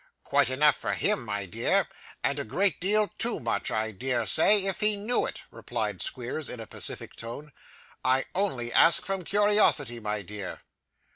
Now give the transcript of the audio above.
'Quite enough for him, my dear, and a great deal too much I dare say, if he knew it,' replied Squeers in a pacific tone. 'I only ask from curiosity, my dear.